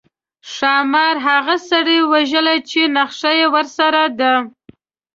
ښامار هغه سړي وژلی چې نخښه ورسره ده.